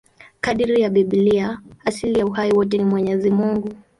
Kadiri ya Biblia, asili ya uhai wote ni Mwenyezi Mungu.